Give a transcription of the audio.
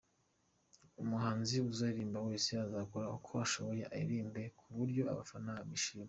Umuhanzi uzaririmba wese, azakora uko ashoboye aririmbe kuburyo abafana bishima ».